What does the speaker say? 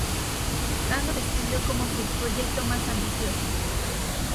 Khan lo describió como su "proyecto más ambicioso".